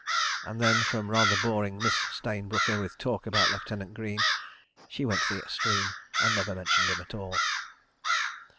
... And then, from rather boring Miss Stayne Brooker with talk about Lieutenant Greene she went to the extreme, and never mentioned him at all.